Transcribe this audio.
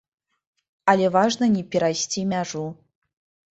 Але важна не перайсці мяжу.